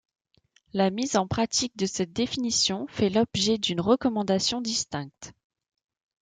La mise en pratique de cette définition fait l'objet d'une recommandation distincte.